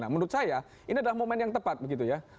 nah menurut saya ini adalah momen yang tepat begitu ya